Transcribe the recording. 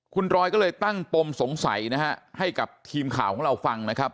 คุณรอยก็เลยตั้งปมสงสัยนะฮะให้กับทีมข่าวของเราฟังนะครับ